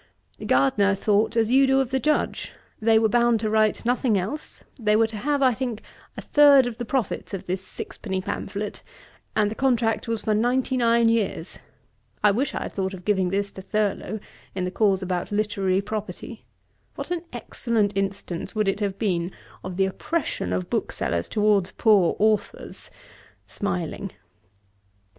Gardner thought as you do of the Judge. They were bound to write nothing else; they were to have, I think, a third of the profits of this sixpenny pamphlet; and the contract was for ninety nine years. I wish I had thought of giving this to Thurlow, in the cause about Literary Property. What an excellent instance would it have been of the oppression of booksellers towards poor authours!' (smiling)!